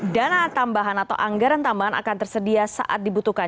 dana tambahan atau anggaran tambahan akan tersedia saat dibutuhkan